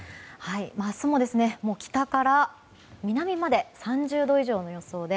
明日も北から南まで３０度以上の予想で